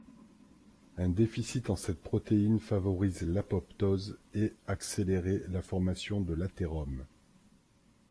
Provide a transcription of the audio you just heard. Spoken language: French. Un déficit en cette protéine favorise l'apoptose et accéléré la formation de l'athérome.